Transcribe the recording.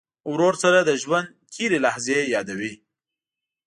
ورور سره د ژوند تېرې لحظې یادوې.